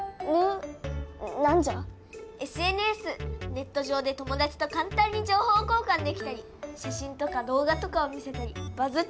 ネット上で友だちと簡単に情報交換できたり写真とか動画とかを見せたりバズって人気者になったり。